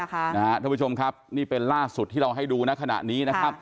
ท่านผู้ชมครับนี่เป็นล่าสุดที่เราให้ดูนะขณะนี้นะครับ